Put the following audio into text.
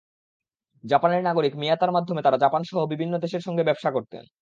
জাপানের নাগরিক মিয়াতার মাধ্যমে তাঁরা জাপানসহ বিভিন্ন দেশের সঙ্গে ব্যবসা করতেন।